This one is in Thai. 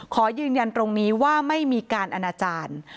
ขอยืนยันตรงนี้ว่าไม่มีการอนาจารย์